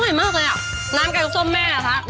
เออมีกลิ่นของมะขามตบตุดนิดนึง